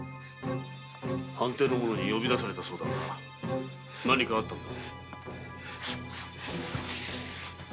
藩邸の者に呼び出されたそうだが何かあったのか？